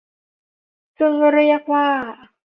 ซึ่งเรียกว่า